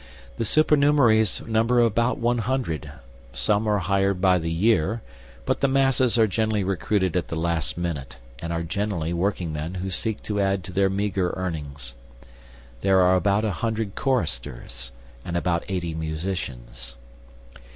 The supernumeraries number about one hundred; some are hired by the year, but the 'masses' are generally recruited at the last minute and are generally working men who seek to add to their meagre earnings. There are about a hundred choristers, and about eighty musicians.